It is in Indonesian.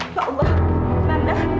ya allah nanda